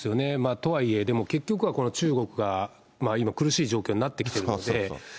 とはいえ、でも結局は、中国が今、苦しい状況になってきてるんで。